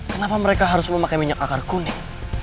kenapa mereka harus memakai minyak akar kuning